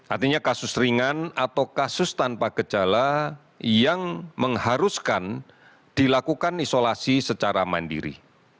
artinya kasus ringan atau kasus tanpa gejala yang mengharuskan dilakukan isolasi secara mandiri